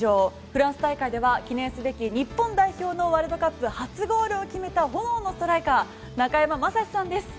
フランス大会では記念すべき日本代表のワールドカップ初ゴールを決めた炎のストライカー中山雅史さんです。